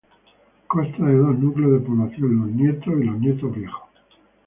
Consta de dos núcleos de población: Los Nietos y Los Nietos Viejos.